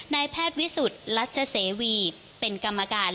นายแพทย์วิสุทธิ์รัชเสวีเป็นกรรมการ